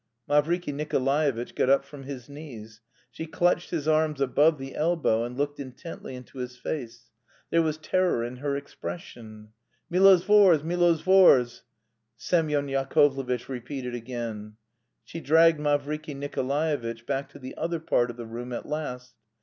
Mavriky Nikolaevitch got up from his knees. She clutched his arms above the elbow and looked intently into his face. There was terror in her expression. "Milovzors! Milovzors!" Semyon Yakovlevitch repeated again. She dragged Mavriky Nikolaevitch back to the other part of the room at last.